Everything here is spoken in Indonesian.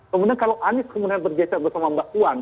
kemudian kalau anies kemudian bergeser bersama mbak puan